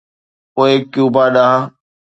پوء ڪيوبا ڏانهن.